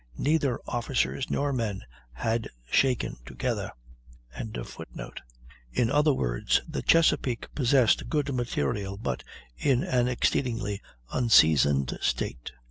Neither officers nor men had shaken together.] In other words, the Chesapeake possessed good material, but in an exceedingly unseasoned state.